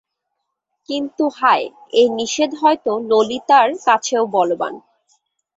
কিন্তু হায়, এ নিষেধ হয়তো ললিতার কাছেও বলবান।